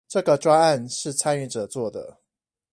這個專案是參與者做的